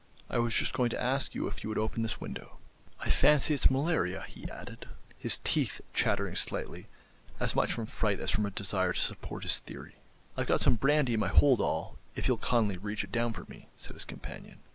"I was just going to ask you if you would open this window." "I fancy it's malaria," he added, his teeth chattering slightly, as much from fright as from a desire to support his theory. "I've got some brandy in my hold all, if you'll kindly reach it down for me," said his companion.